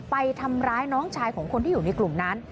ไปทำร้ายน้องชายของคนที่อยู่ในกลุ่มนั้น